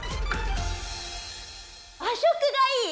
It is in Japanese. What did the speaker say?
和食がいい！